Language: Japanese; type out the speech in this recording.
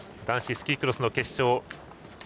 男子スキークロスの決勝。